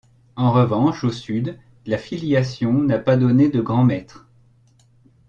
En revanche au Sud, la filiation n'a pas donné de grands maîtres.